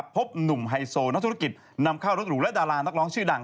พบหนุ่มไฮโซนักธุรกิจนำเข้ารถหรูและดารานักร้องชื่อดัง